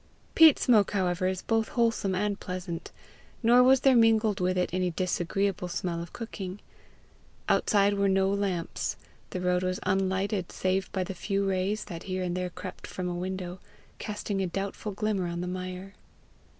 Peat smoke, however, is both wholesome and pleasant, nor was there mingled with it any disagreeable smell of cooking. Outside were no lamps; the road was unlighted save by the few rays that here and there crept from a window, casting a doubtful glimmer on the mire.